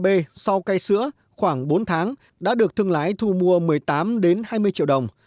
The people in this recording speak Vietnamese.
b f một ba b sau cây sữa khoảng bốn tháng đã được thương lái thu mua một mươi tám đến hai mươi triệu đồng